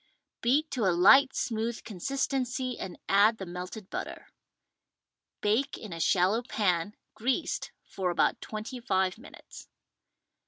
Beat to a light smooth consistency and add the melted butter. Bake in a shallow pan (greased) for about twenty five minutes.